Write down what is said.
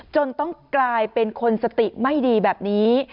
จนต้องกลายเป็นคนสติไม่ดีแบบนี้